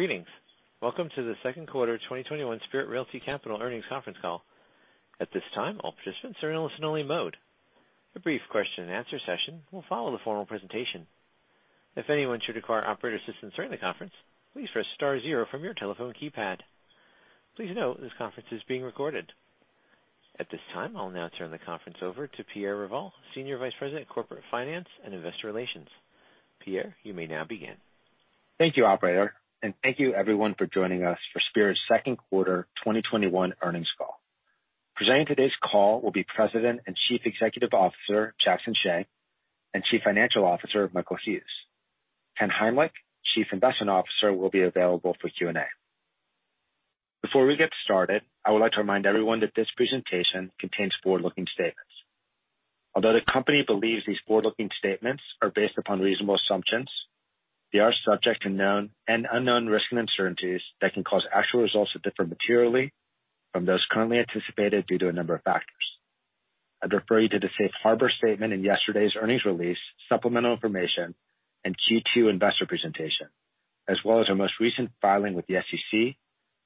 At this time, I'll now turn the conference over to Pierre Revol, Senior Vice President, Corporate Finance and Investor Relations. Pierre, you may now begin. Thank you, operator, and thank you everyone for joining us for Spirit's Q2 2021 Earnings Call. Presenting today's call will be President and Chief Executive Officer, Jackson Hsieh, and Chief Financial Officer, Michael Hughes. Ken Heimlich, Chief Investment Officer, will be available for Q&A. Before we get started, I would like to remind everyone that this presentation contains forward-looking statements. Although the company believes these forward-looking statements are based upon reasonable assumptions, they are subject to known and unknown risks and uncertainties that can cause actual results to differ materially from those currently anticipated due to a number of factors. I'd refer you to the safe harbor statement in yesterday's earnings release, supplemental information, and Q2 investor presentation, as well as our most recent filing with the SEC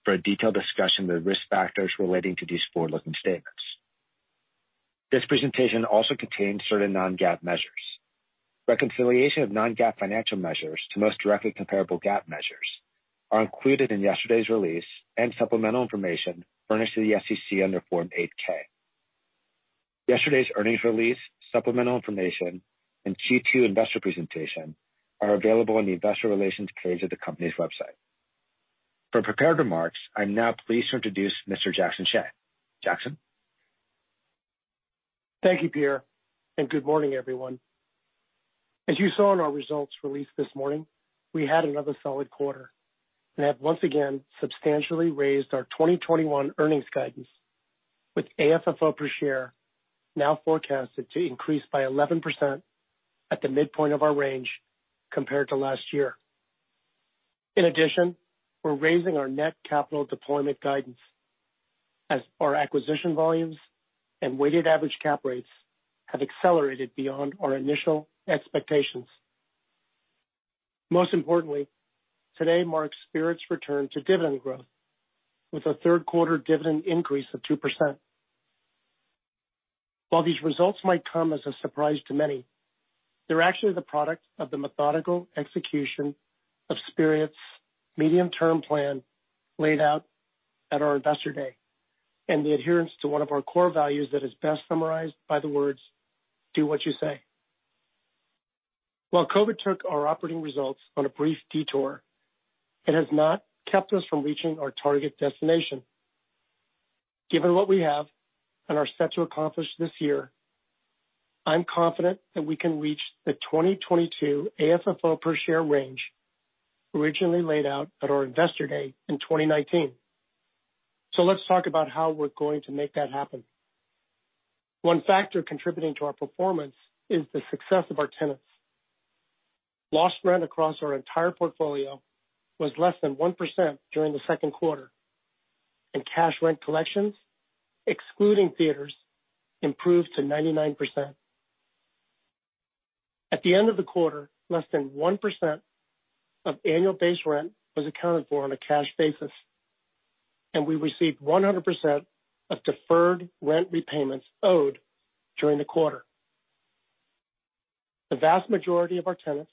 for a detailed discussion of the risk factors relating to these forward-looking statements. This presentation also contains certain non-GAAP measures. Reconciliation of non-GAAP financial measures to most directly comparable GAAP measures are included in yesterday's release and supplemental information furnished to the SEC under Form 8-K. Yesterday's earnings release, supplemental information, and Q2 investor presentation are available in the Investor Relations page of the company's website. For prepared remarks, I'm now pleased to introduce Mr. Jackson Hsieh. Jackson. Thank you, Pierre. Good morning, everyone. As you saw in our results released this morning, we had another solid quarter and have once again substantially raised our 2021 earnings guidance with AFFO per share now forecasted to increase by 11% at the midpoint of our range compared to last year. In addition, we're raising our net capital deployment guidance as our acquisition volumes and weighted average cap rates have accelerated beyond our initial expectations. Most importantly, today marks Spirit's return to dividend growth with a Q3 dividend increase of 2%. While these results might come as a surprise to many, they're actually the product of the methodical execution of Spirit's medium-term plan laid out at our investor day, and the adherence to one of our core values that is best summarized by the words, do what you say. While COVID took our operating results on a brief detour, it has not kept us from reaching our target destination. Given what we have and are set to accomplish this year, I'm confident that we can reach the 2022 AFFO per share range originally laid out at our Investor Day in 2019. Let's talk about how we're going to make that happen. One factor contributing to our performance is the success of our tenants. Lost rent across our entire portfolio was less than 1% during the Q2, and cash rent collections, excluding theaters, improved to 99%. At the end of the quarter, less than 1% of annual base rent was accounted for on a cash basis, and we received 100% of deferred rent repayments owed during the quarter. The vast majority of our tenants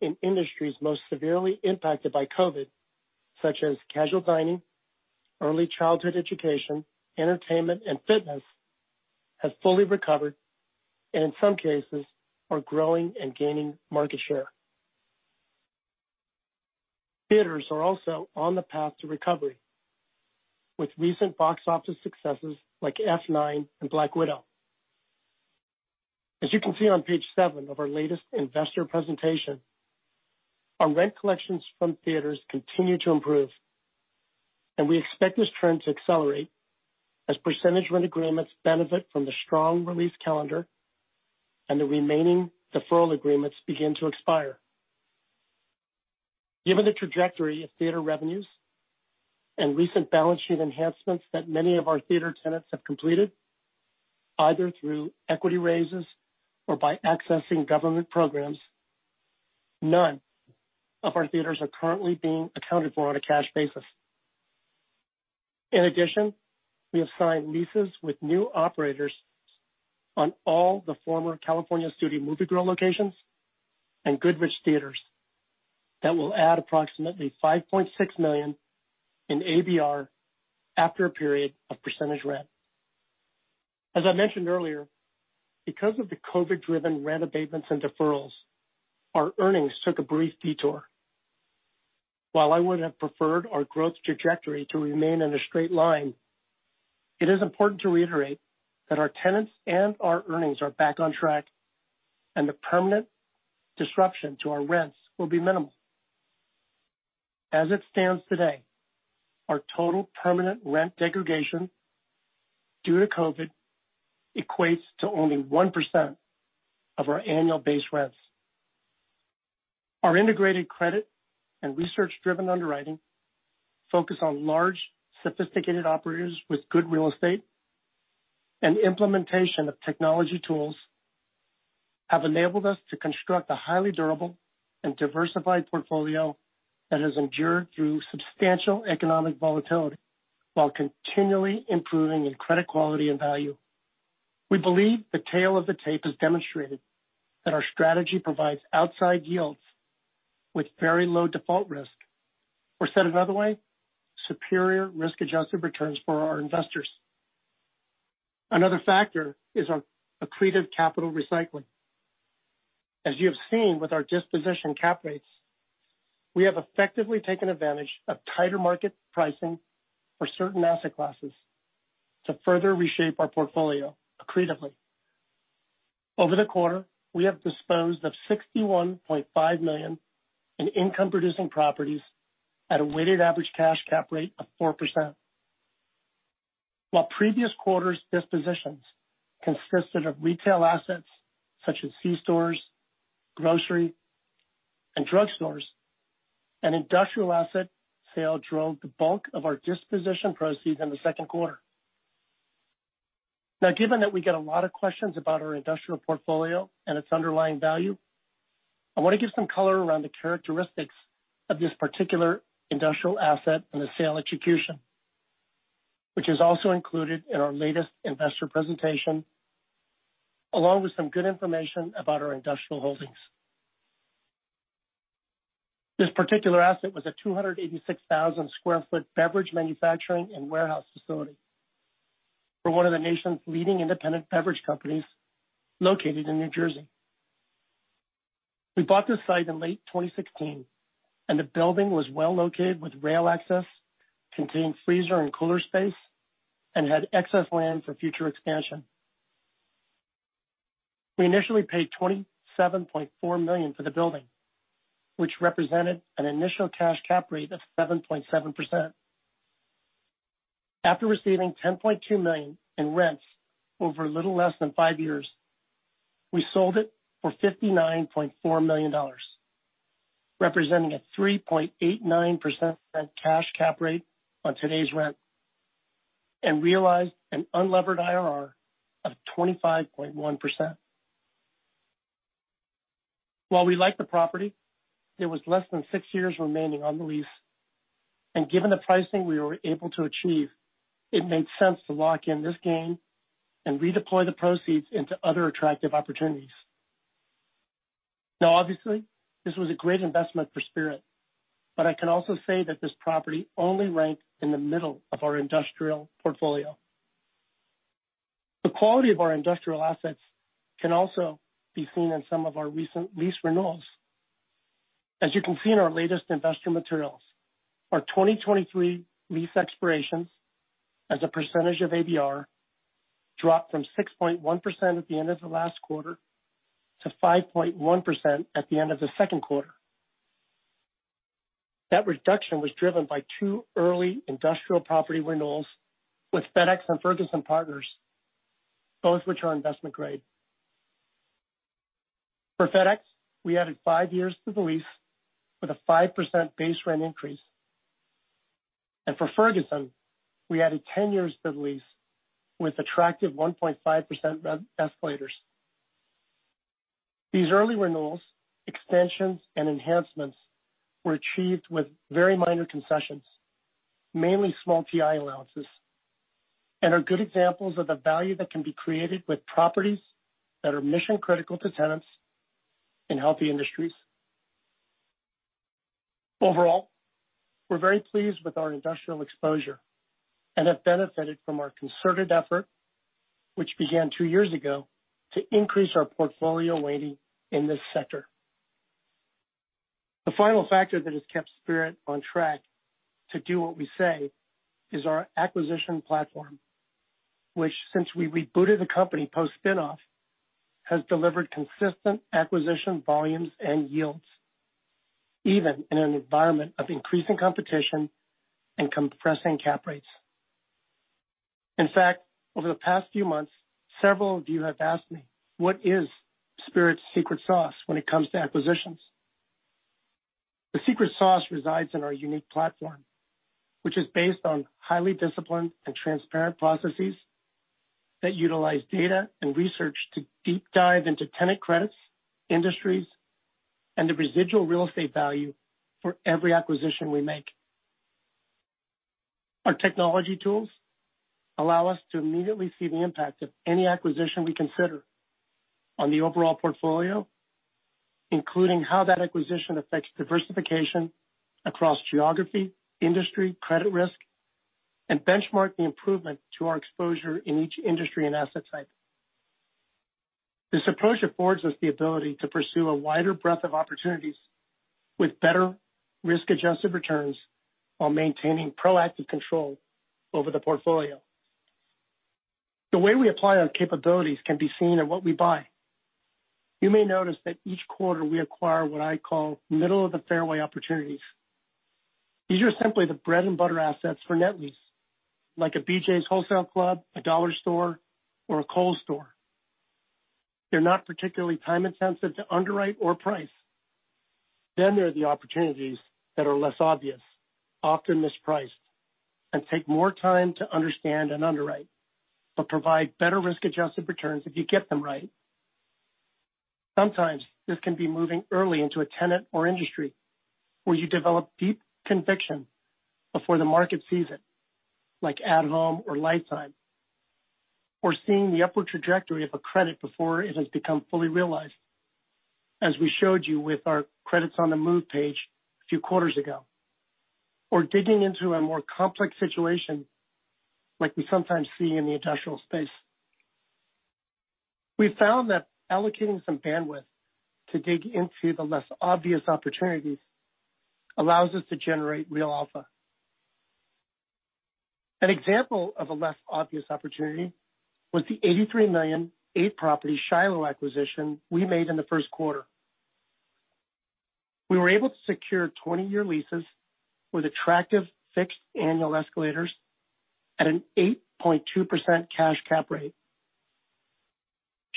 in industries most severely impacted by COVID, such as casual dining, early childhood education, entertainment, and fitness, have fully recovered, and in some cases are growing and gaining market share. Theaters are also on the path to recovery with recent box office successes like F9 and Black Widow. As you can see on page 7 of our latest investor presentation, our rent collections from theaters continue to improve, and we expect this trend to accelerate as percentage rent agreements benefit from the strong release calendar and the remaining deferral agreements begin to expire. Given the trajectory of theater revenues and recent balance sheet enhancements that many of our theater tenants have completed, either through equity raises or by accessing government programs, none of our theaters are currently being accounted for on a cash basis. We have signed leases with new operators on all the former California Studio Movie Grill locations and Goodrich Theaters that will add approximately $5.6 million in ABR after a period of percentage rent. As I mentioned earlier, because of the COVID-driven rent abatements and deferrals, our earnings took a brief detour. While I would have preferred our growth trajectory to remain in a straight line, it is important to reiterate that our tenants and our earnings are back on track and the permanent disruption to our rents will be minimal. As it stands today, our total permanent rent degradation due to COVID equates to only 1% of our annual base rents. Our integrated credit and research-driven underwriting focus on large, sophisticated operators with good real estate and implementation of technology tools have enabled us to construct a highly durable and diversified portfolio that has endured through substantial economic volatility while continually improving in credit quality and value. We believe the tale of the tape has demonstrated that our strategy provides outsized yields with very low default risk, or said another way, superior risk-adjusted returns for our investors. Another factor is our accretive capital recycling. As you have seen with our disposition cap rates, we have effectively taken advantage of tighter market pricing for certain asset classes to further reshape our portfolio accretively. Over the quarter, we have disposed of $61.5 million in income-producing properties at a weighted average cash cap rate of 4%. While previous quarters' dispositions consisted of retail assets such as C stores, grocery, and drug stores, an industrial asset sale drove the bulk of our disposition proceeds in the Q2. Now, given that we get a lot of questions about our industrial portfolio and its underlying value, I want to give some color around the characteristics of this particular industrial asset and the sale execution, which is also included in our latest investor presentation, along with some good information about our industrial holdings. This particular asset was a 286,000 sq ft beverage manufacturing and warehouse facility for one of the nation's leading independent beverage companies, located in New Jersey. We bought this site in late 2016, and the building was well located with rail access, contained freezer and cooler space, and had excess land for future expansion. We initially paid $27.4 million for the building, which represented an initial cash cap rate of 7.7%. After receiving $10.2 million in rents over a little less than five years, we sold it for $59.4 million, representing a 3.89% cash cap rate on today's rent, and realized an unlevered IRR of 25.1%. While we like the property, there was less than six years remaining on the lease, given the pricing we were able to achieve, it made sense to lock in this gain and redeploy the proceeds into other attractive opportunities. Obviously, this was a great investment for Spirit, I can also say that this property only ranked in the middle of our industrial portfolio. The quality of our industrial assets can also be seen in some of our recent lease renewals. As you can see in our latest investor materials, our 2023 lease expirations as a percentage of ABR dropped from 6.1% at the end of the last quarter to 5.1% at the end of the Q2. That reduction was driven by two early industrial property renewals with FedEx and Ferguson Enterprises, both which are investment grade. For FedEx, we added five years to the lease with a 5% base rent increase. For Ferguson, we added 10 years to the lease with attractive 1.5% rent escalators. These early renewals, extensions, and enhancements were achieved with very minor concessions, mainly small TI allowances, and are good examples of the value that can be created with properties that are mission-critical to tenants in healthy industries. Overall, we're very pleased with our industrial exposure and have benefited from our concerted effort, which began two years ago, to increase our portfolio weighting in this sector. The final factor that has kept Spirit on track to do what we say is our acquisition platform, which since we rebooted the company post-spin-off, has delivered consistent acquisition volumes and yields, even in an environment of increasing competition and compressing cap rates. In fact, over the past few months, several of you have asked me, what is Spirit's secret sauce when it comes to acquisitions? The secret sauce resides in our unique platform, which is based on highly disciplined and transparent processes that utilize data and research to deep dive into tenant credits, industries, and the residual real estate value for every acquisition we make. Our technology tools allow us to immediately see the impact of any acquisition we consider on the overall portfolio, including how that acquisition affects diversification across geography, industry, credit risk, and benchmark the improvement to our exposure in each industry and asset type. This approach affords us the ability to pursue a wider breadth of opportunities with better risk-adjusted returns while maintaining proactive control over the portfolio. The way we apply our capabilities can be seen in what we buy. You may notice that each quarter we acquire what I call middle-of-the-fairway opportunities. These are simply the bread-and-butter assets for net lease, like a BJ's Wholesale Club, a Dollar Store, or a Kohl's store. They're not particularly time intensive to underwrite or price. There are the opportunities that are less obvious, often mispriced, and take more time to understand and underwrite, but provide better risk-adjusted returns if you get them right. Sometimes this can be moving early into a tenant or industry where you develop deep conviction before the market sees it, like At Home or Life Time, or seeing the upward trajectory of a credit before it has become fully realized, as we showed you with our credits on the move page a few quarters ago, or digging into a more complex situation like we sometimes see in the industrial space. We found that allocating some bandwidth to dig into the less obvious opportunities allows us to generate real alpha. An example of a less obvious opportunity was the $83 million eight-property Shiloh acquisition we made in the Q1. We were able to secure 20-year leases with attractive fixed annual escalators at an 8.2% cash cap rate.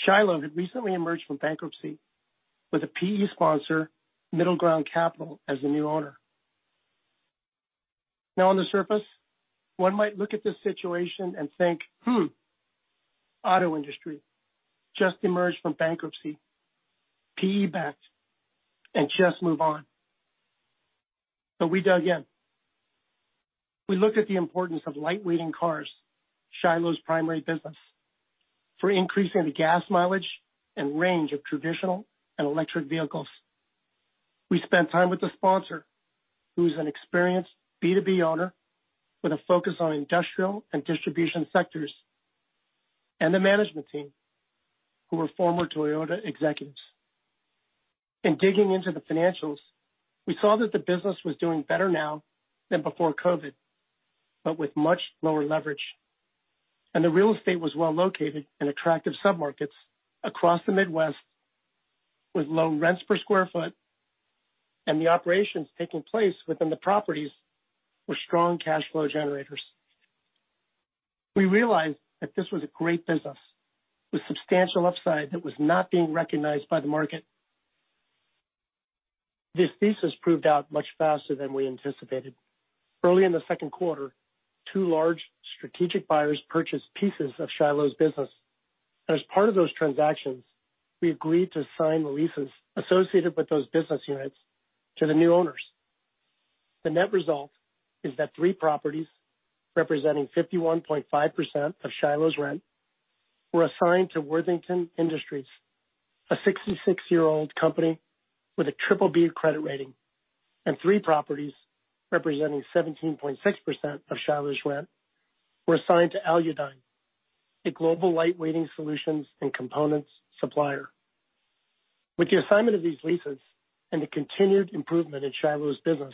Shiloh had recently emerged from bankruptcy with a PE sponsor, MiddleGround Capital, as the new owner. On the surface, one might look at this situation and think, "Hmm, auto industry. Just emerged from bankruptcy. PE backed," and just move on. We dug in. We looked at the importance of light-weighting cars, Shiloh's primary business, for increasing the gas mileage and range of traditional and electric vehicles. We spent time with the sponsor, who's an experienced B2B owner with a focus on industrial and distribution sectors, and the management team, who were former Toyota executives. In digging into the financials, we saw that the business was doing better now than before COVID, but with much lower leverage. The real estate was well located in attractive submarkets across the Midwest with low rents per square foot, and the operations taking place within the properties were strong cash flow generators. We realized that this was a great business with substantial upside that was not being recognized by the market. This thesis proved out much faster than we anticipated. Early in the Q2, two large strategic buyers purchased pieces of Shiloh's business. As part of those transactions, we agreed to assign the leases associated with those business units to the new owners. The net result is that three properties representing 51.5% of Shiloh's rent were assigned to Worthington Industries, a 66-year-old company with a triple B credit rating, and three properties representing 17.6% of Shiloh's rent were assigned to Aludyne, a global light-weighting solutions and components supplier. With the assignment of these leases and the continued improvement in Shiloh Industries' business,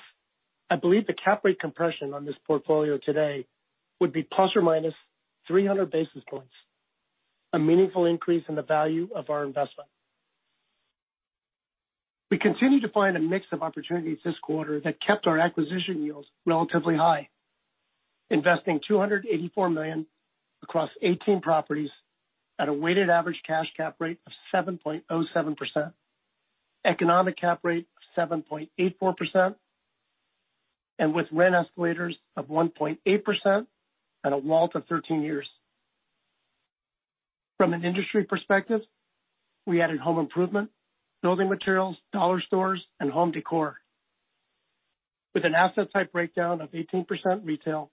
I believe the cap rate compression on this portfolio today would be ±300 basis points, a meaningful increase in the value of our investment. We continued to find a mix of opportunities this quarter that kept our acquisition yields relatively high, investing $284 million across 18 properties at a weighted average cash cap rate of 7.07%, economic cap rate of 7.84%, and with rent escalators of 1.8% and a wall to 13 years. From an industry perspective, we added home improvement, building materials, dollar stores, and home decor. With an asset type breakdown of 18% retail,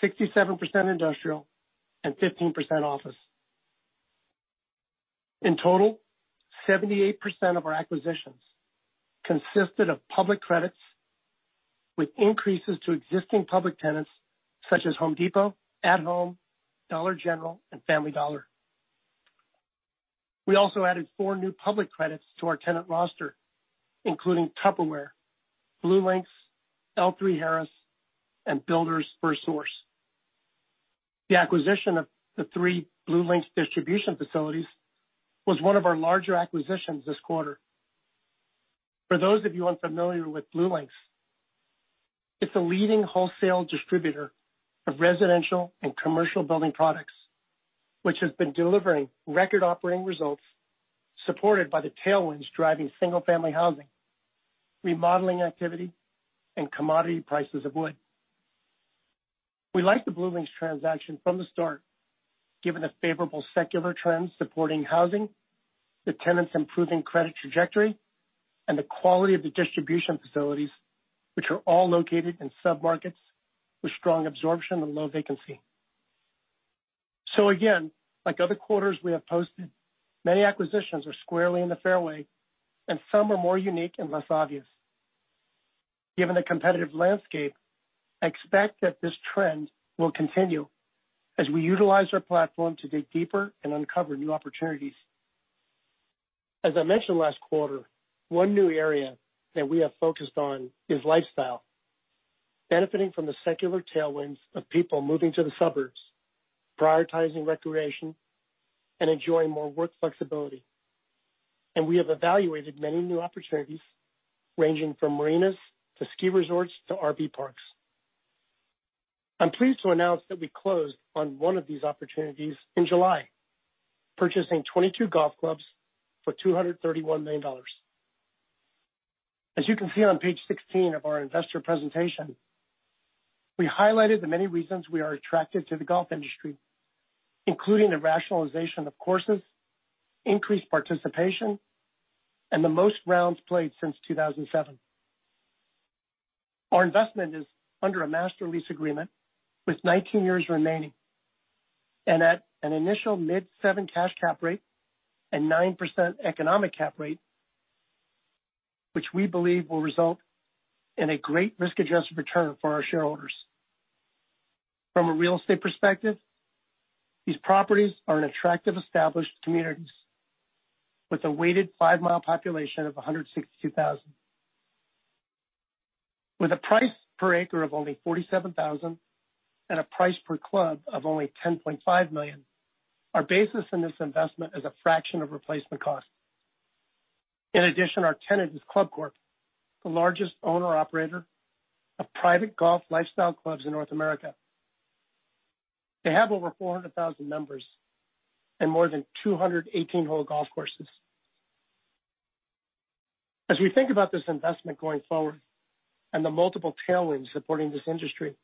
67% industrial, and 15% office. In total, 78% of our acquisitions consisted of public credits with increases to existing public tenants such as The Home Depot, At Home, Dollar General, and Family Dollar. We also added four new public credits to our tenant roster, including Tupperware, BlueLinx, L3Harris, and Builders FirstSource. The acquisition of the three BlueLinx distribution facilities was one of our larger acquisitions this quarter. For those of you unfamiliar with BlueLinx, it's a leading wholesale distributor of residential and commercial building products, which has been delivering record operating results supported by the tailwinds driving single-family housing, remodeling activity, and commodity prices of wood. We liked the BlueLinx transaction from the start, given the favorable secular trends supporting housing, the tenant's improving credit trajectory, and the quality of the distribution facilities, which are all located in submarkets with strong absorption and low vacancy. Again, like other quarters we have posted, many acquisitions are squarely in the fairway, and some are more unique and less obvious. Given the competitive landscape, I expect that this trend will continue as we utilize our platform to dig deeper and uncover new opportunities. As I mentioned last quarter, one new area that we have focused on is lifestyle. Benefiting from the secular tailwinds of people moving to the suburbs, prioritizing recreation, and enjoying more work flexibility. We have evaluated many new opportunities, ranging from marinas to ski resorts to RV parks. I'm pleased to announce that we closed on one of these opportunities in July, purchasing 22 golf clubs for $231 million. As you can see on page 16 of our investor presentation, we highlighted the many reasons we are attracted to the golf industry, including the rationalization of courses, increased participation, and the most rounds played since 2007. Our investment is under a master lease agreement with 19 years remaining, and at an initial mid-7 cash cap rate and 9% economic cap rate, which we believe will result in a great risk-adjusted return for our shareholders. From a real estate perspective, these properties are in attractive established communities with a weighted 5 mi population of 162,000. With a price per acre of only $47,000 and a price per club of only $10.5 million, our basis in this investment is a fraction of replacement cost. In addition, our tenant is ClubCorp, the largest owner operator of private golf lifestyle clubs in North America. They have over 400,000 members and more than 200 18-hole golf courses. As we think about this investment going forward and the multiple tailwinds supporting this industry,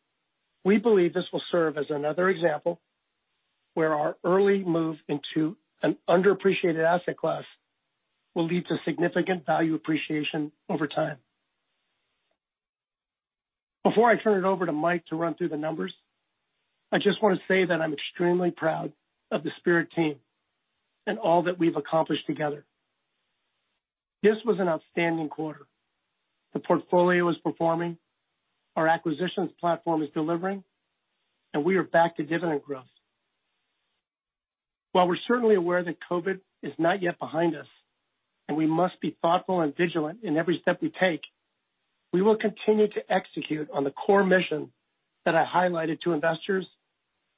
we believe this will serve as another example where our early move into an underappreciated asset class will lead to significant value appreciation over time. Before I turn it over to Mike to run through the numbers, I just want to say that I'm extremely proud of the Spirit team and all that we've accomplished together. This was an outstanding quarter. The portfolio is performing, our acquisitions platform is delivering, and we are back to dividend growth. While we're certainly aware that COVID is not yet behind us and we must be thoughtful and vigilant in every step we take, we will continue to execute on the core mission that I highlighted to investors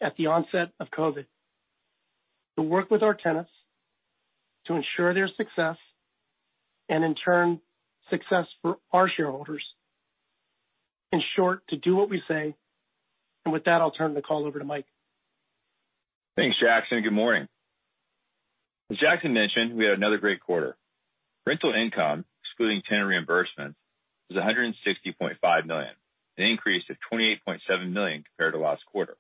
at the onset of COVID. To work with our tenants to ensure their success and in turn, success for our shareholders. In short, to do what we say. With that, I'll turn the call over to Mike. Thanks, Jackson. Good morning. As Jackson mentioned, we had another great quarter. Rental income, excluding tenant reimbursements, was $160.5 million, an increase of $28.7 million compared to last quarter.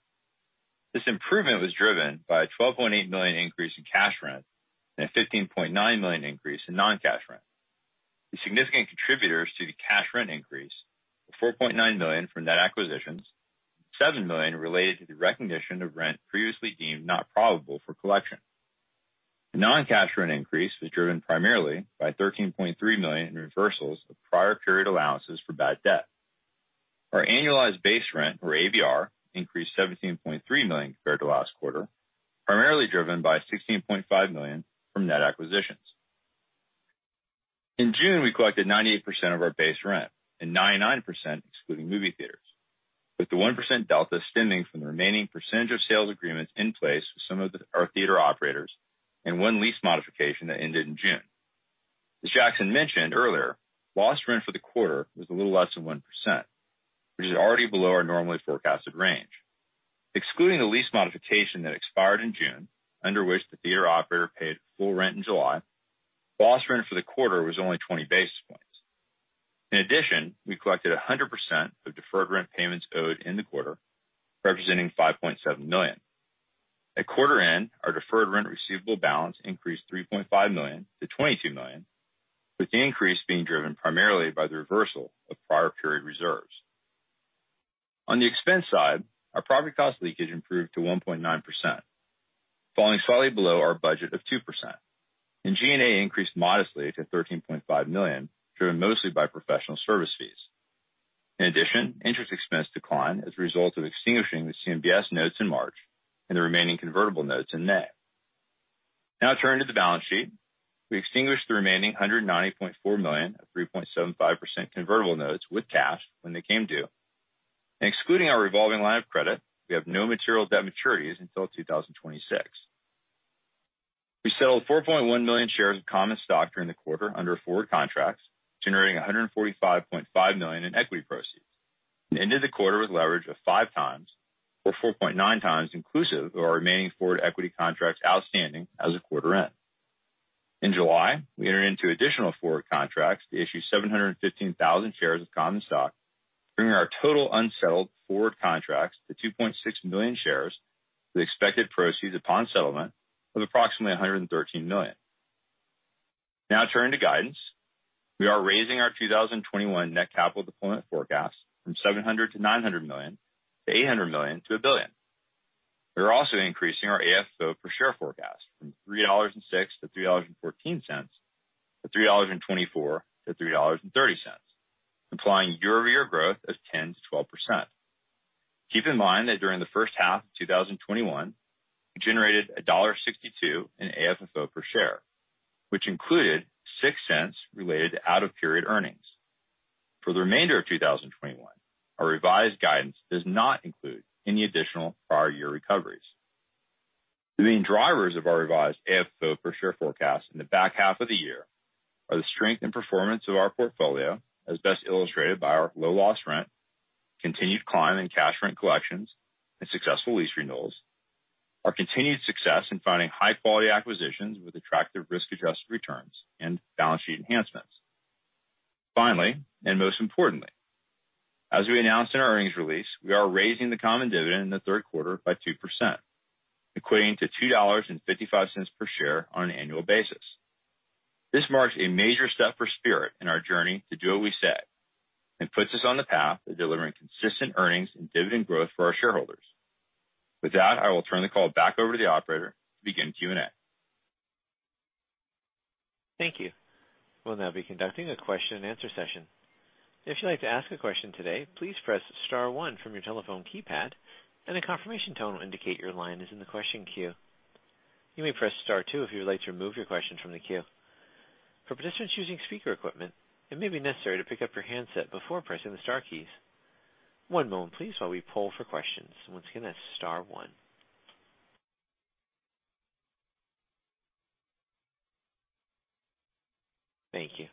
This improvement was driven by a $12.8 million increase in cash rent and a $15.9 million increase in non-cash rent. The significant contributors to the cash rent increase were $4.9 million from net acquisitions, $7 million related to the recognition of rent previously deemed not probable for collection. The non-cash rent increase was driven primarily by $13.3 million in reversals of prior period allowances for bad debt. Our annualized base rent, or ABR, increased $17.3 million compared to last quarter, primarily driven by $16.5 million from net acquisitions. In June, we collected 98% of our base rent and 99% excluding movie theaters, with the 1% delta stemming from the remaining percentage of sales agreements in place with some of our theater operators and one lease modification that ended in June. As Jackson mentioned earlier, lost rent for the quarter was a little less than 1%, which is already below our normally forecasted range. Excluding the lease modification that expired in June, under which the theater operator paid full rent in July, lost rent for the quarter was only 20 basis points. In addition, we collected 100% of deferred rent payments owed in the quarter, representing $5.7 million. At quarter end, our deferred rent receivable balance increased $3.5 million to $22 million, with the increase being driven primarily by the reversal of prior period reserves. On the expense side, our property cost leakage improved to 1.9%, falling slightly below our budget of 2%. G&A increased modestly to $13.5 million, driven mostly by professional service fees. In addition, interest expense declined as a result of extinguishing the CMBS notes in March and the remaining convertible notes in May. Now turning to the balance sheet. We extinguished the remaining $190.4 million of 3.75% convertible notes with cash when they came due. Excluding our revolving line of credit, we have no material debt maturities until 2026. We settled 4.1 million shares of common stock during the quarter under forward contracts, generating $145.5 million in equity proceeds, and ended the quarter with leverage of 5x or 4.9x inclusive of our remaining forward equity contracts outstanding as of quarter end. In July, we entered into additional forward contracts to issue 715,000 shares of common stock, bringing our total unsettled forward contracts to 2.6 million shares with expected proceeds upon settlement of approximately $113 million. Turning to guidance. We are raising our 2021 net capital deployment forecast from $700 million-$900 million to $800 million-$1 billion. We are also increasing our AFFO per share forecast from $3.06-$3.14 to $3.24-$3.30, implying year-over-year growth of 10%-12%. Keep in mind that during the first half of 2021, we generated $1.62 in AFFO per share, which included $0.06 related to out-of-period earnings. For the remainder of 2021, our revised guidance does not include any additional prior year recoveries. The main drivers of our revised AFFO per share forecast in the back half of the year are the strength and performance of our portfolio, as best illustrated by our low lost rent, continued climb in cash rent collections and successful lease renewals, our continued success in finding high quality acquisitions with attractive risk-adjusted returns and balance sheet enhancements. Finally, and most importantly, as we announced in our earnings release, we are raising the common dividend in the Q3 by 2%, equating to $2.55 per share on an annual basis. This marks a major step for Spirit in our journey to do what we said and puts us on the path to delivering consistent earnings and dividend growth for our shareholders. With that, I will turn the call back over to the operator to begin Q&A. Thank you. Thank you.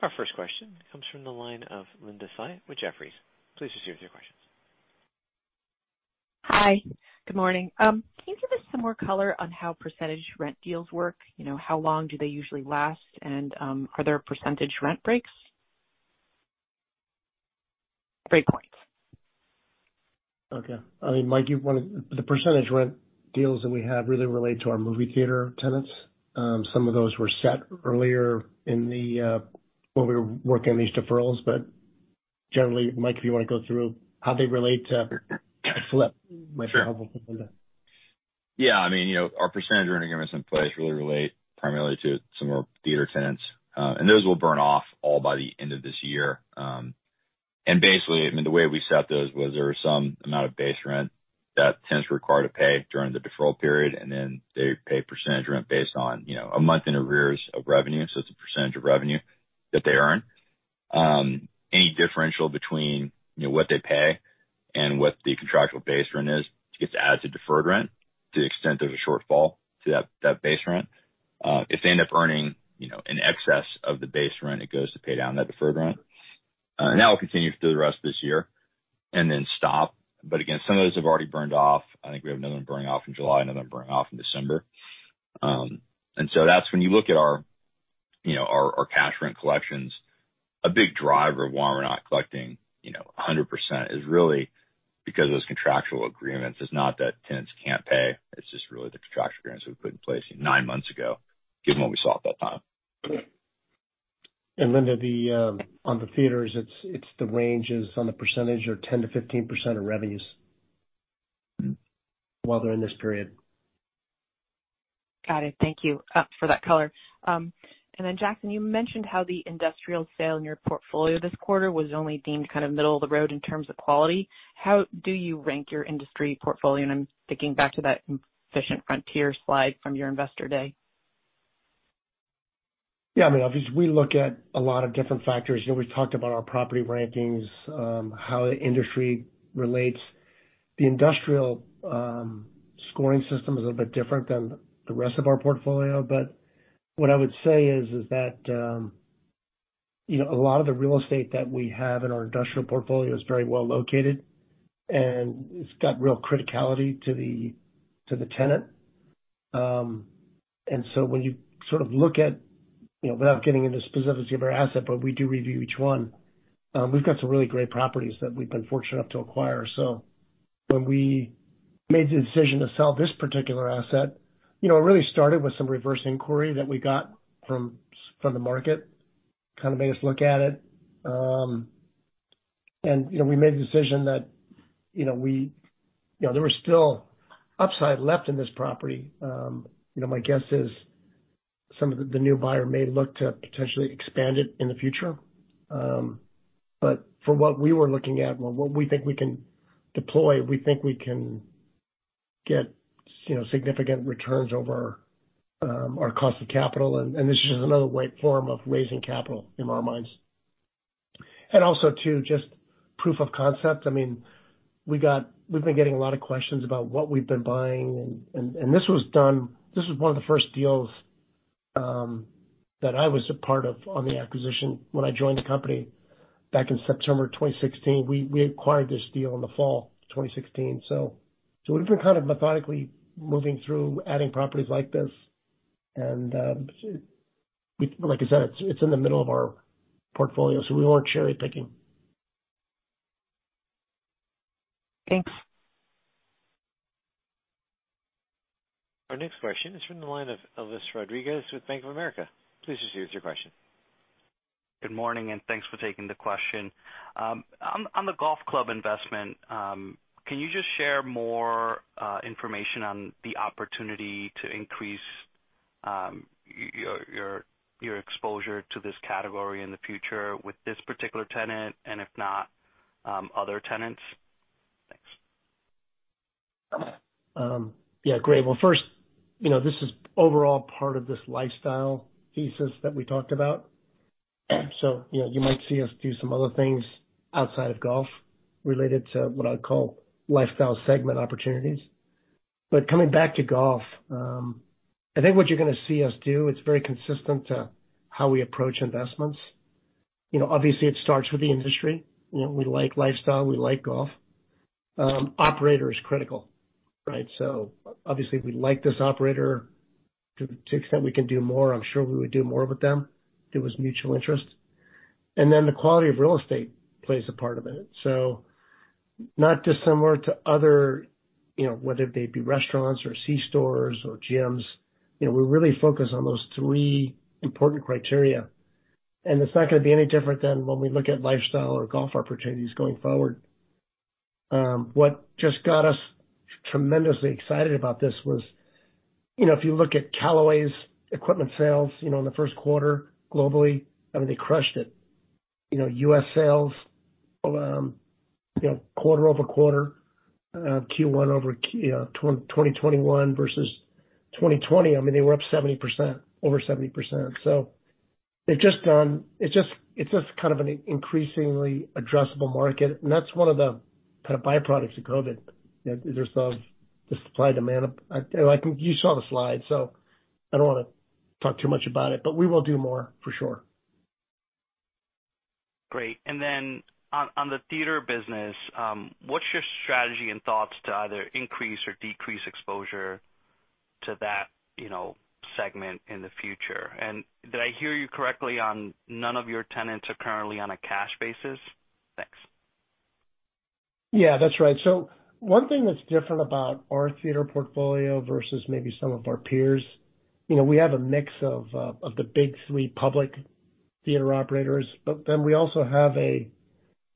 Our first question comes from the line of Linda Tsai with Jefferies. Please proceed with your questions. Hi. Good morning. Can you give us some more color on how percentage rent deals work? How long do they usually last? Are there percentage rent break points? I mean, Mike, you want to? The percentage rent deals that we have really relate to our movie theater tenants. Some of those were set earlier when we were working on these deferrals. Generally, Mike, if you want to go through how they relate to Pierre might be helpful for Linda. Sure. Yeah. Our percentage rent agreements in place really relate primarily to some of our theater tenants. Those will burn off all by the end of this year. Basically, the way we set those was there was some amount of base rent that tenants were required to pay during the deferral period, then they pay percentage rent based on a month in arrears of revenue, so it's a percentage of revenue that they earn. Any differential between what they pay and what the contractual base rent is gets added to deferred rent to the extent there's a shortfall to that base rent. If they end up earning an excess of the base rent, it goes to pay down that deferred rent. That will continue through the rest of this year and then stop. Again, some of those have already burned off. I think we have another one burning off in July, another one burning off in December. That's when you look at our cash rent collections, a big driver of why we're not collecting 100% is really because of those contractual agreements. It's not that tenants can't pay. It's just really the contractual agreements we put in place nine months ago given what we saw at that time. Linda, on the theaters, the range is on the percentage or 10%-15% of revenues while they're in this period. Got it. Thank you for that color. Jackson, you mentioned how the industrial sale in your portfolio this quarter was only deemed kind of middle of the road in terms of quality. How do you rank your industrial portfolio? I'm thinking back to that efficient frontier slide from your Investor Day. Yeah. I mean, obviously, we look at a lot of different factors. We've talked about our property rankings, how the industry relates. The industrial scoring system is a little bit different than the rest of our portfolio. What I would say is that a lot of the real estate that we have in our industrial portfolio is very well located, and it's got real criticality to the tenant. When you sort of look at, without getting into the specifics of our asset, but we do review each one, we've got some really great properties that we've been fortunate enough to acquire. When we made the decision to sell this particular asset, it really started with some reverse inquiry that we got from the market, kind of made us look at it. We made the decision that there was still upside left in this property. My guess is some of the new buyer may look to potentially expand it in the future. For what we were looking at and what we think we can deploy, we think we can get significant returns over our cost of capital. Also too, just proof of concept. I mean, we've been getting a lot of questions about what we've been buying, and this was one of the first deals that I was a part of on the acquisition when I joined the company back in September 2016. We acquired this deal in the fall of 2016. We've been kind of methodically moving through adding properties like this. Like I said, it's in the middle of our portfolio, so we weren't cherry-picking. Thanks. Our next question is from the line of Elvis Rodriguez with Bank of America. Please proceed with your question. Good morning. Thanks for taking the question. On the golf club investment, can you just share more information on the opportunity to increase your exposure to this category in the future with this particular tenant, and if not, other tenants? Thanks. Yeah, great. Well, first, this is overall part of this lifestyle thesis that we talked about. You might see us do some other things outside of golf related to what I'd call lifestyle segment opportunities. Coming back to golf, I think what you're going to see us do, it's very consistent to how we approach investments. Obviously, it starts with the industry. We like lifestyle, we like golf. Operator is critical, right? Obviously we like this operator. To the extent we can do more, I'm sure we would do more with them. There was mutual interest. The quality of real estate plays a part in it. Not dissimilar to other, whether they be restaurants or C-stores or gyms, we really focus on those three important criteria, and it's not going to be any different than when we look at lifestyle or golf opportunities going forward. What just got us tremendously excited about this was, if you look at Callaway's equipment sales in the Q1 globally, I mean, they crushed it. U.S. sales quarter-over-quarter, Q1 2021 versus 2020, I mean, they were up 70%, over 70%. It's just kind of an increasingly addressable market, and that's one of the kind of byproducts of COVID, the supply-demand. You saw the slide, so I don't want to talk too much about it, but we will do more, for sure. Great. On the theater business, what's your strategy and thoughts to either increase or decrease exposure to that segment in the future? Did I hear you correctly on none of your tenants are currently on a cash basis? Thanks. That's right. One thing that's different about our theater portfolio versus maybe some of our peers, we have a mix of the Big 3 public theater operators, but then we also have a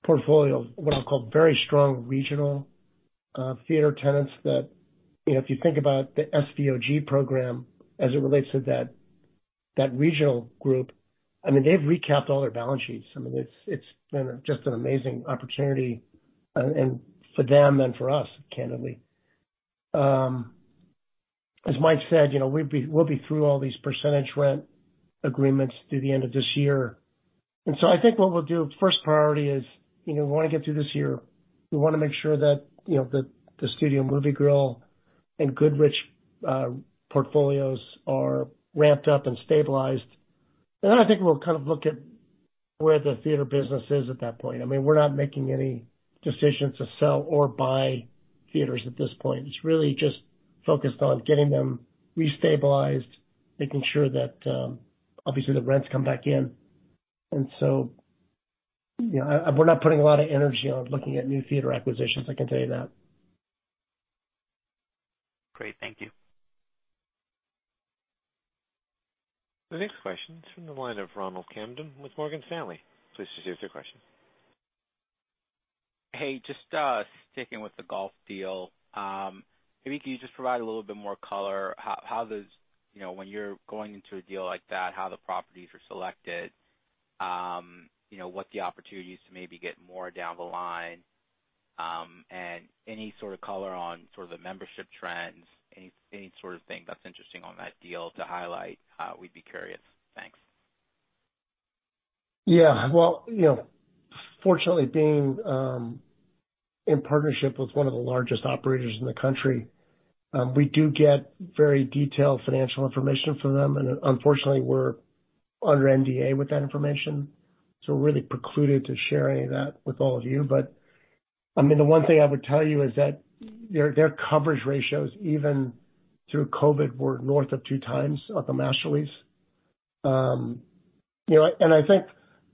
portfolio of what I'll call very strong regional theater tenants that, if you think about the SVOG program as it relates to that regional group, I mean, they've recapped all their balance sheets. I mean, it's been just an amazing opportunity, and for them and for us, candidly. As Michael Hughes said, we'll be through all these percentage rent agreements through the end of this year. I think what we'll do, first priority is we want to get through this year. We want to make sure that the Studio Movie Grill and Goodrich Quality Theaters portfolios are ramped up and stabilized. I think we'll kind of look at where the theater business is at that point. I mean, we're not making any decisions to sell or buy theaters at this point. It's really just focused on getting them restabilized, making sure that, obviously, the rents come back in. We're not putting a lot of energy on looking at new theater acquisitions, I can tell you that. Great. Thank you. The next question is from the line of Ron Kamdem with Morgan Stanley. Please proceed with your question. Hey, just sticking with the golf deal. Maybe can you just provide a little bit more color, when you're going into a deal like that, how the properties are selected, what the opportunities to maybe get more down the line, and any sort of color on sort of the membership trends, any sort of thing that's interesting on that deal to highlight, we'd be curious? Thanks. Well, fortunately, being in partnership with one of the largest operators in the country, we do get very detailed financial information from them, and unfortunately, we're under NDA with that information, so we're really precluded to share any of that with all of you. I mean, the one thing I would tell you is that their coverage ratios, even through COVID, were north of 2x at the master lease. I think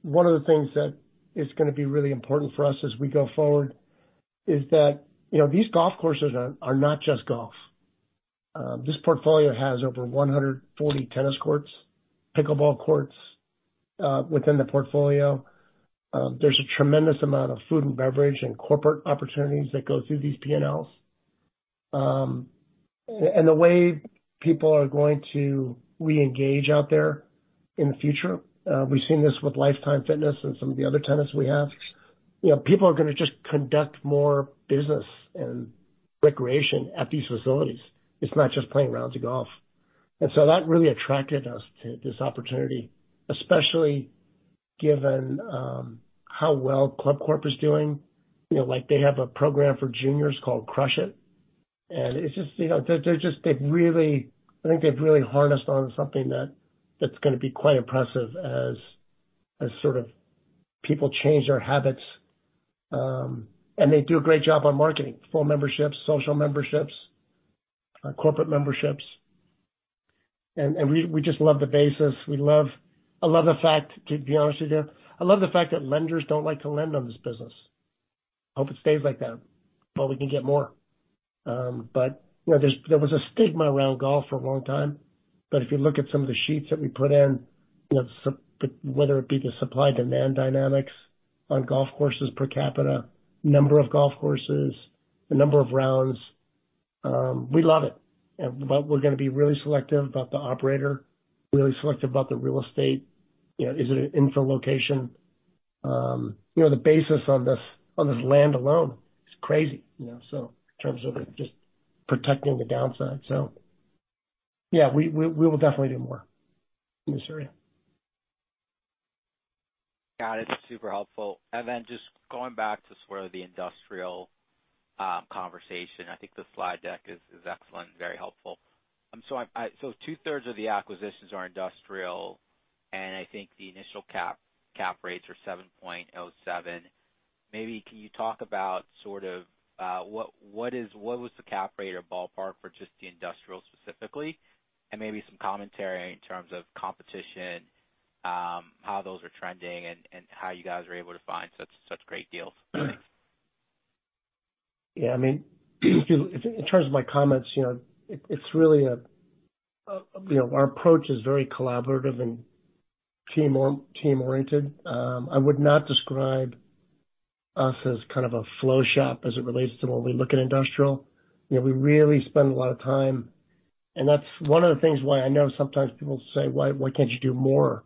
one of the things that is going to be really important for us as we go forward is that these golf courses are not just golf. This portfolio has over 140 tennis courts, pickleball courts within the portfolio. There's a tremendous amount of food and beverage and corporate opportunities that go through these P&Ls. The way people are going to reengage out there in the future, we've seen this with Life Time and some of the other tenants we have. People are going to just conduct more business and recreation at these facilities. It's not just playing rounds of golf. That really attracted us to this opportunity, especially given how well ClubCorp is doing. They have a program for juniors called Crush It!, I think they've really harnessed on something that's going to be quite impressive as sort of people change their habits. They do a great job on marketing, full memberships, social memberships, corporate memberships. We just love the basis. To be honest with you, I love the fact that lenders don't like to lend on this business. Hope it stays like that while we can get more. There was a stigma around golf for a long time, but if you look at some of the sheets that we put in, whether it be the supply-demand dynamics on golf courses per capita, number of golf courses, the number of rounds, we love it. We're going to be really selective about the operator, really selective about the real estate. Is it an infill location? The basis on this land alone is crazy, in terms of just protecting the downside. Yeah, we will definitely do more in this area. Got it. Super helpful. Then just going back to sort of the industrial conversation, I think the slide deck is excellent and very helpful. Two-thirds of the acquisitions are industrial, and I think the initial cap rates are 7.07. Maybe can you talk about what was the cap rate or ballpark for just the industrial specifically, and maybe some commentary in terms of competition, how those are trending, and how you guys are able to find such great deals? Thanks. In terms of my comments, our approach is very collaborative and team-oriented. I would not describe us as kind of a flow shop as it relates to when we look at industrial. We really spend a lot of time, and that's one of the things why I know sometimes people say, "Why can't you do more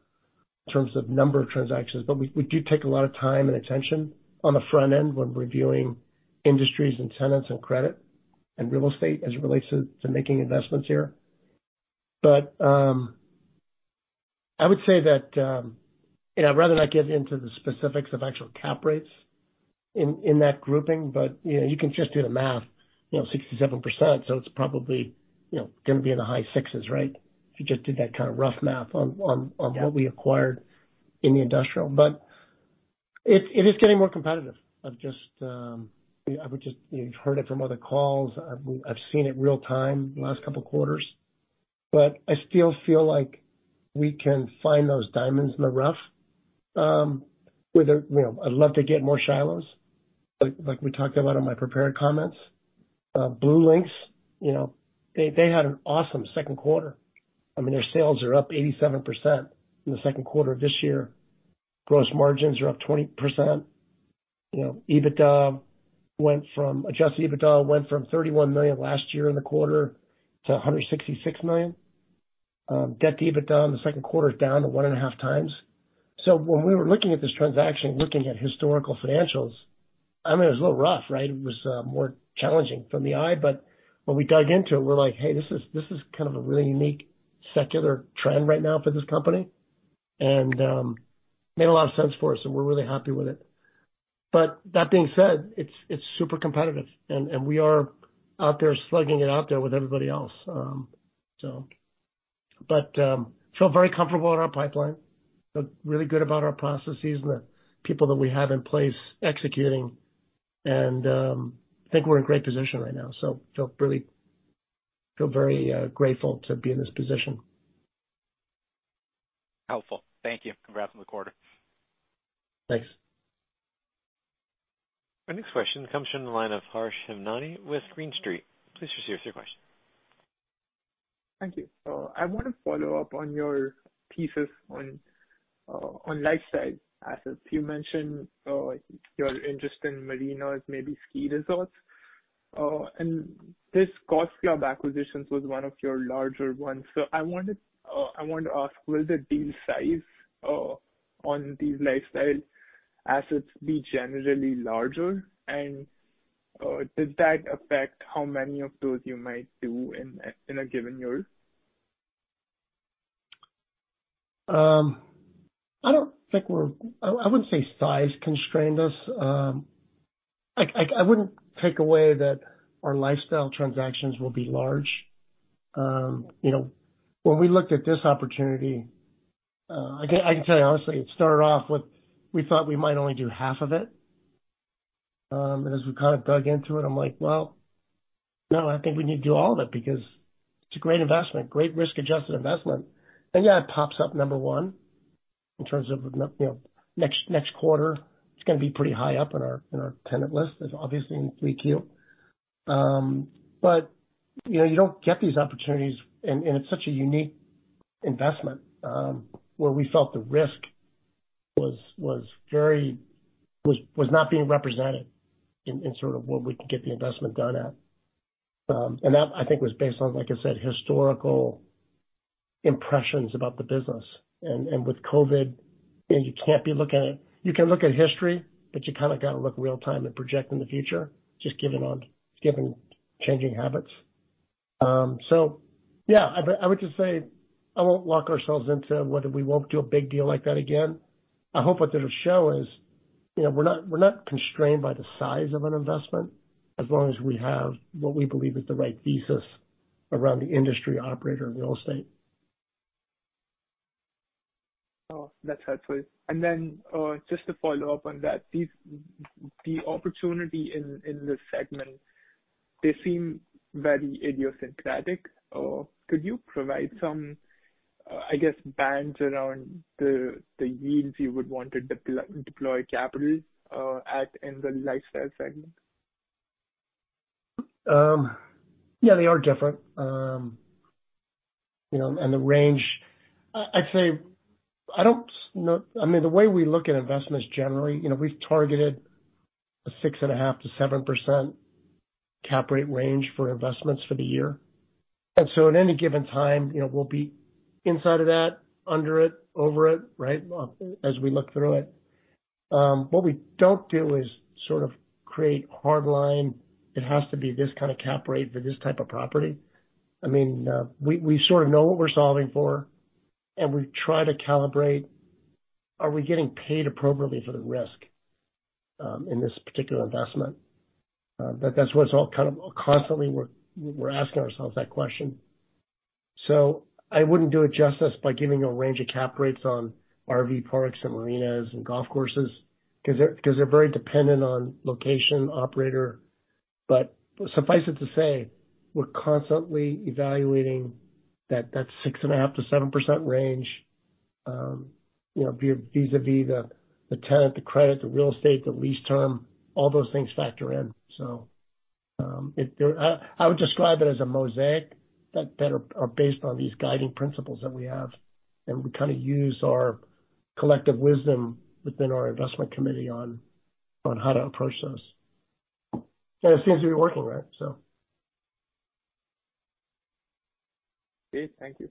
in terms of number of transactions?" We do take a lot of time and attention on the front end when reviewing industries and tenants and credit and real estate as it relates to making investments here. I would say that I'd rather not get into the specifics of actual cap rates in that grouping. You can just do the math, 67%, so it's probably going to be in the high sixes, right? Just did that kind rough math in what we acquired in the industrial. It is getting more competitive. You've heard it from other calls. I've seen it real-time the last couple of quarters, but I still feel like we can find those diamonds in the rough. I'd love to get more Shilohs, like we talked about in my prepared comments. BlueLinx, they had an awesome Q2. Their sales are up 87% in the Q2 of this year. Gross margins are up 20%. Adjusted EBITDA went from $31 million last year in the quarter to $166 million. Debt to EBITDA in the Q2 is down to 1.5x. When we were looking at this transaction, looking at historical financials, it was a little rough, right? It was more challenging from the eye, but when we dug into it, we're like, "Hey, this is kind of a really unique secular trend right now for this company," and made a lot of sense for us, and we're really happy with it. That being said, it's super competitive, and we are out there slugging it out there with everybody else. Feel very comfortable in our pipeline, feel really good about our processes and the people that we have in place executing, and I think we're in a great position right now. Feel very grateful to be in this position. Helpful. Thank you. Congrats on the quarter. Thanks. Our next question comes from the line of Harsh Hemnani with Green Street. Please proceed with your question. Thank you. I want to follow up on your thesis on lifestyle assets. You mentioned your interest in marinas, maybe ski resorts, and this Golf Club acquisitions was one of your larger ones. I wanted to ask, will the deal size on these lifestyle assets be generally larger, and does that affect how many of those you might do in a given year? I wouldn't say size constrained us. I wouldn't take away that our lifestyle transactions will be large. When we looked at this opportunity, I can tell you honestly, it started off with we thought we might only do half of it. As we kind of dug into it, I'm like, well, no, I think we need to do all of it because it's a great investment, great risk-adjusted investment. Yeah, it pops up number 1 in terms of next quarter, it's going to be pretty high up in our tenant list as obviously in Q3. You don't get these opportunities, and it's such a unique investment, where we felt the risk was not being represented in sort of what we could get the investment done at. That, I think, was based on, like I said, historical impressions about the business. With COVID, you can look at history, but you kind of got to look real-time and project in the future, just given changing habits. Yeah, I would just say I won't lock ourselves into whether we won't do a big deal like that again. I hope what it'll show is we're not constrained by the size of an investment as long as we have what we believe is the right thesis around the industry operator and real estate. That's helpful. Just to follow up on that, the opportunity in this segment, they seem very idiosyncratic. Could you provide some, I guess, bands around the yields you would want to deploy capital at in the lifestyle segment? Yeah, they are different. The range, I'd say, the way we look at investments generally, we've targeted a six and a half to 7% cap rate range for investments for the year. At any given time, we'll be inside of that, under it, over it, right? As we look through it. What we don't do is sort of create hard-line, it has to be this kind of cap rate for this type of property. We sort of know what we're solving for. We try to calibrate, are we getting paid appropriately for the risk, in this particular investment? That's what's all kind of constantly we're asking ourselves that question. I wouldn't do it justice by giving a range of cap rates on RV parks and marinas and golf courses because they're very dependent on location, operator. Suffice it to say, we're constantly evaluating that 6.5%-7% range, vis-a-vis the tenant, the credit, the real estate, the lease term, all those things factor in. I would describe it as a mosaic that are based on these guiding principles that we have, and we kind of use our collective wisdom within our investment committee on how to approach those. It seems to be working right. Thank you.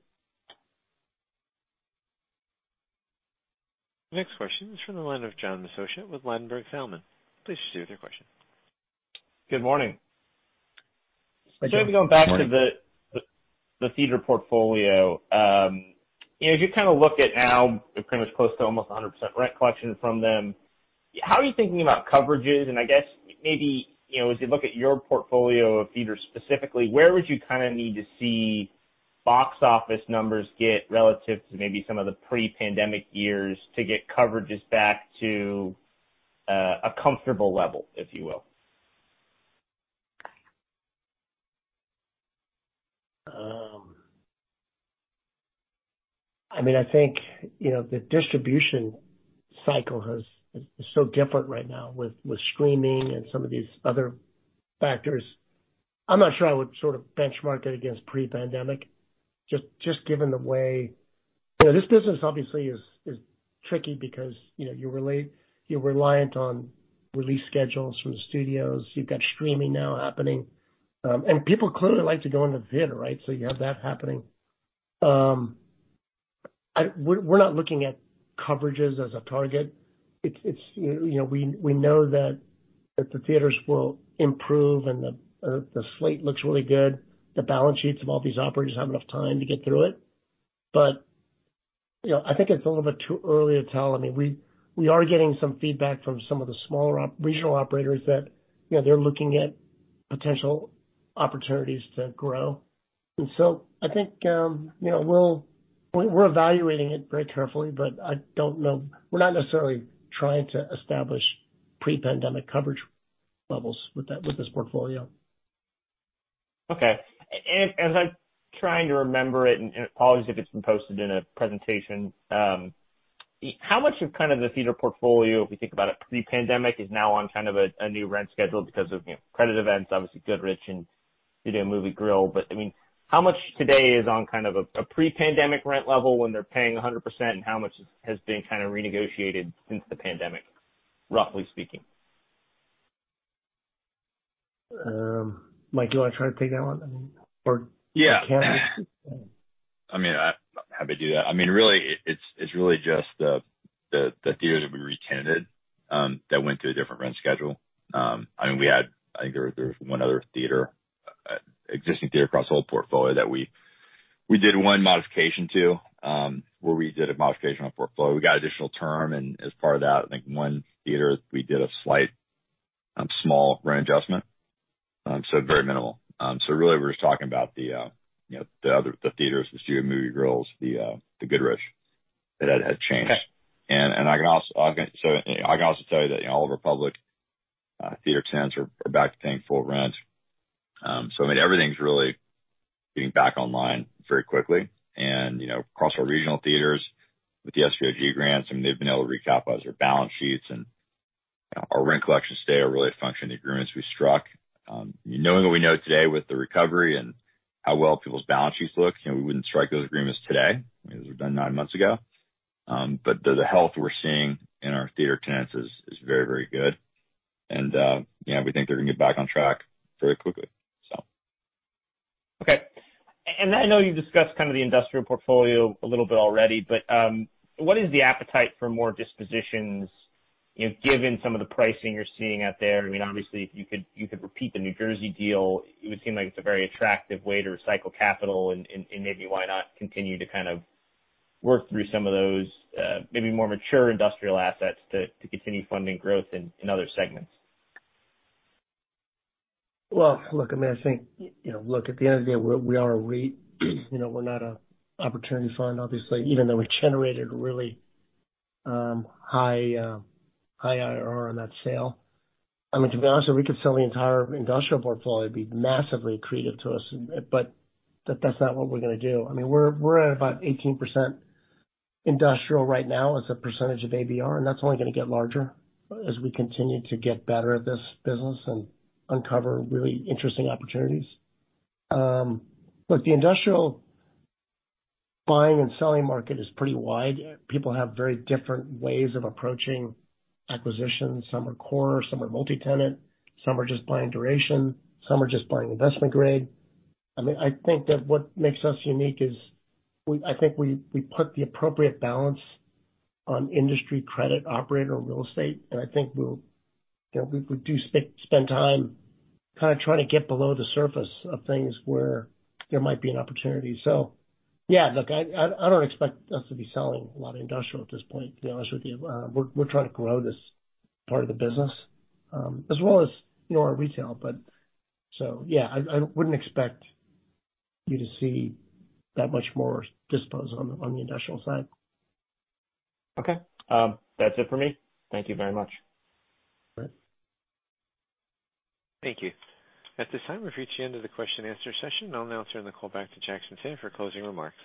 Next question is from the line of John Massocca with Ladenburg Thalmann. Please proceed with your question. Good morning. Good morning. If you go back to the theater portfolio. As you kind of look at now, you're pretty much close to almost 100% rent collection from them. How are you thinking about coverages? I guess maybe, as you look at your portfolio of theaters specifically, where would you kind of need to see box office numbers get relative to maybe some of the pre-pandemic years to get coverages back to a comfortable level, if you will? I think the distribution cycle is so different right now with streaming and some of these other factors. I'm not sure I would sort of benchmark it against pre-pandemic, just given the way This business obviously is tricky because you're reliant on release schedules from the studios. You've got streaming now happening. People clearly like to go into theater, right? You have that happening. We're not looking at coverages as a target. We know that the theaters will improve, and the slate looks really good. The balance sheets of all these operators have enough time to get through it. I think it's a little bit too early to tell. We are getting some feedback from some of the smaller regional operators that they're looking at potential opportunities to grow. I think, we're evaluating it very carefully, but I don't know. We're not necessarily trying to establish pre-pandemic coverage levels with this portfolio. Okay. As I'm trying to remember it, and apologies if it's been posted in a presentation, how much of kind of the theater portfolio, if we think about it pre-pandemic, is now on kind of a new rent schedule because of credit events, obviously Goodrich and Studio Movie Grill. How much today is on kind of a pre-pandemic rent level when they're paying 100%, and how much has been kind of renegotiated since the pandemic, roughly speaking? Mike, do you want to try to take that one? Yeah. I'm happy to do that. It's really just the theaters that we re-tenanted, that went through a different rent schedule. I think there was one other existing theater across the whole portfolio that we did one modification to, where we did a modification on portfolio. We got additional term, as part of that, I think one theater, we did a slight, small rent adjustment. Very minimal. Really, we're just talking about the theaters, the Studio Movie Grill, the Goodrich, that had changed. I can also tell you that all of our public theater tenants are back to paying full rent. Everything's really getting back online very quickly. Across our regional theaters with the SVOG grants, they've been able to recapitalize their balance sheets, and our rent collections today are really a function of the agreements we struck. Knowing what we know today with the recovery and how well people's balance sheets look, we wouldn't strike those agreements today. Those were done nine months ago. The health we're seeing in our theater tenants is very good. We think they're going to get back on track very quickly. I know you've discussed kind of the industrial portfolio a little bit already, what is the appetite for more dispositions, given some of the pricing you're seeing out there? Obviously if you could repeat the New Jersey deal, it would seem like it's a very attractive way to recycle capital and maybe why not continue to kind of work through some of those maybe more mature industrial assets to continue funding growth in other segments. Look, at the end of the day, we are a REIT. We're not an opportunity fund, obviously, even though we generated really high IRR on that sale. To be honest with you, we could sell the entire industrial portfolio. It'd be massively accretive to us, that's not what we're going to do. We're at about 18% industrial right now as a percentage of ABR, and that's only going to get larger as we continue to get better at this business and uncover really interesting opportunities. The industrial buying and selling market is pretty wide. People have very different ways of approaching acquisitions. Some are core, some are multi-tenant, some are just buying duration, some are just buying investment grade. I think that what makes us unique is I think we put the appropriate balance on industry credit operator or real estate, and I think we do spend time kind of trying to get below the surface of things where there might be an opportunity. Yeah, look, I don't expect us to be selling a lot of industrial at this point, to be honest with you. We're trying to grow this part of the business, as well as our retail. Yeah, I wouldn't expect you to see that much more disposal on the industrial side. Okay. That's it for me. Thank you very much. All right. Thank you. At this time, we've reached the end of the question-and-answer session. I'll now turn the call back to Jackson Hsieh for closing remarks.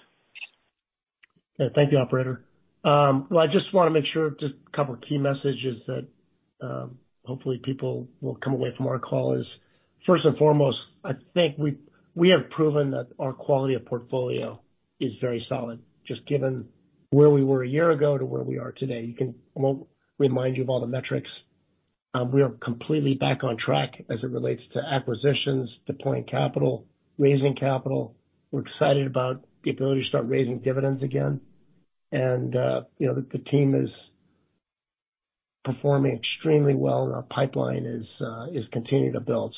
Yeah. Thank you, operator. Well, I just want to make sure just two key messages that hopefully people will come away from our call is, first and foremost, I think we have proven that our quality of portfolio is very solid, just given where we were a year ago to where we are today. I won't remind you of all the metrics. We are completely back on track as it relates to acquisitions, deploying capital, raising capital. We're excited about the ability to start raising dividends again. The team is performing extremely well, and our pipeline is continuing to build.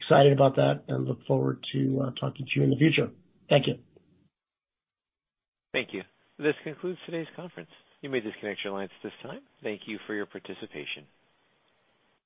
Excited about that and look forward to talking to you in the future. Thank you. Thank you. This concludes today's conference. You may disconnect your lines at this time. Thank you for your participation.